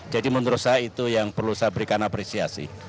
jadi menurut saya itu yang perlu saya berikan apresiasi